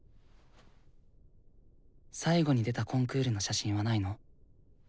最後に出たコンクールの写真はないの？